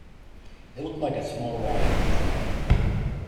It looked like a small right-angled triangle